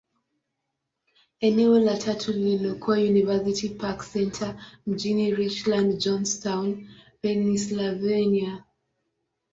Eneo la tatu lililokuwa University Park Centre, mjini Richland, Johnstown, Pennyslvania.